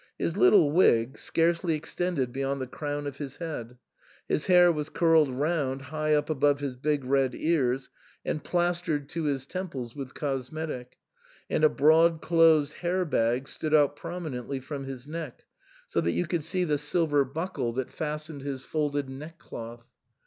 His little wig scarcely extended beyond the crown of his head, his hair was curled round high up above his big red ears, and plastered to his temples with cosmetic, and a broad closed hair bag stood out prominently from his neck, so that you could see the silver buckle that 174 THE SAND'MAN. fastened his folded neck cloth.